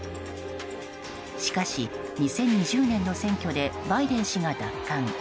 しかし、２０２０年の選挙でバイデン氏が奪還。